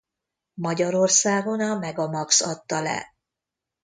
Magyarországon a Megamax adta le.